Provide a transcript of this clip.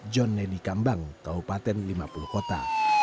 john nedi kambang kabupaten lima puluh kota